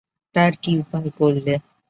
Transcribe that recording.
তার কী উপায় করলে?